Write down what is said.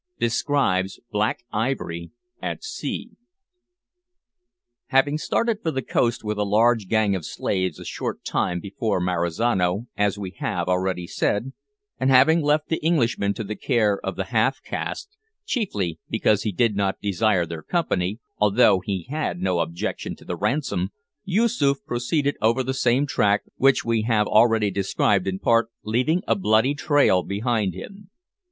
DESCRIBES "BLACK IVORY" AT SEA. Having started for the coast with a large gang of slaves a short time before Marizano, as we have already said, and having left the Englishmen to the care of the half caste, chiefly because he did not desire their company, although he had no objection to the ransom, Yoosoof proceeded over the same track which we have already described in part, leaving a bloody trail behind him.